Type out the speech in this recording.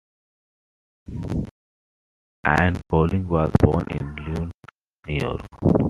Ann Collins was born in Lyons, New York.